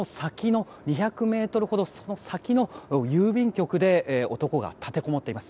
２００ｍほど先の郵便局で男が立てこもっています。